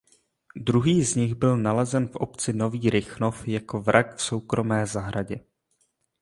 Druhý z nich byl nalezen v obci Nový Rychnov jako vrak v soukromé zahradě.